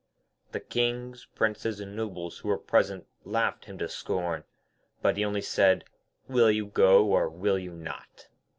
The Kings, Princes, and Nobles who were present laughed him to scorn. But he only said, 'Will you go, or will you not?'